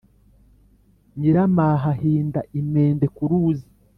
Nyiramaha hinda-Imende ku ruzi.